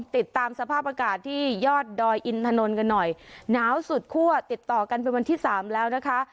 ติดตามสภาพอากาศที่ยอดดอยอินถนนกันหน่อยหนาวสุดคั่วติดต่อกันเป็นวันที่สามแล้วนะคะ